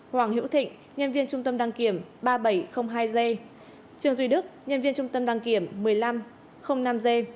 hoàng hữu thịnh nhân viên trung tâm đăng kiểm ba nghìn bảy trăm linh hai g trường duy đức nhân viên trung tâm đăng kiểm một nghìn năm trăm linh năm g